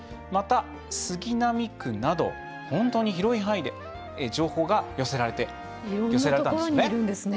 また、杉並区など本当に広い範囲で情報が寄せられたんですね。